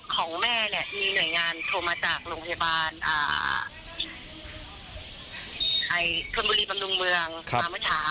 ของแม่เนี่ยมีหน่วยงานโทรมาจากโรงพยาบาลเครื่องบุรีบำรุงเมืองมาเมื่อเช้า